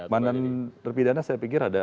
mantan terpidana saya pikir ada